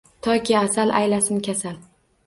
Toki asal aylasin kasal.